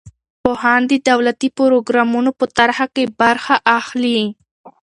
پوهان د دولتي پروګرامونو په طرحه کې برخه اخلي.